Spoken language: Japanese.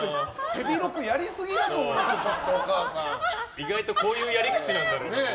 意外とこういうやり口なんだね。